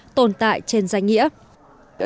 tồn tại trên danh nghĩa